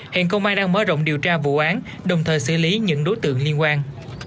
hiện công an đang mở rộng điều tra vụ án đồng thời xử lý những đối tượng liên quan